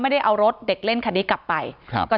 ที่มีข่าวเรื่องน้องหายตัว